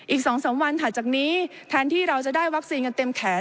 อีก๒๓วันถัดจากนี้แทนที่เราจะได้วัคซีนกันเต็มแขน